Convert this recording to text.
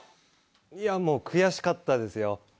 いやもう、悔しかったですよ。